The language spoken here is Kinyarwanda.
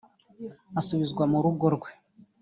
asubizwa mu rugo rwe